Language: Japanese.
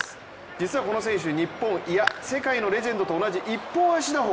実はこの選手、日本いや、世界のレジェンドと同じ一本足打法。